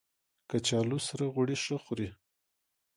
کچالو سره غوړي ښه خوري